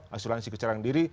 asuransi kecerahan diri